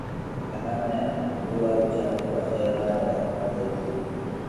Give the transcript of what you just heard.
gharama ya kupunguza uchafuzi wa hewa ya kwanza ikiwa